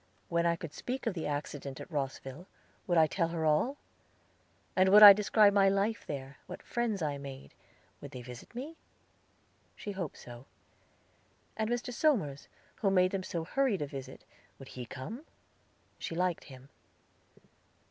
When I could speak of the accident at Rosville, would I tell her all? And would I describe my life there; what friends I had made; would they visit me? She hoped so. And Mr. Somers, who made them so hurried a visit, would he come? She liked him.